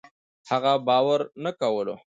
هغه باور نه کولو